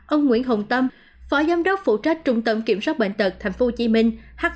ông nguyễn hồng tâm phó giám đốc phụ trách trung tâm kiểm soát bệnh tật tp hcm hcdc cho biết